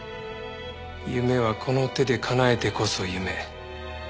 夢はこの手で叶えてこそ夢。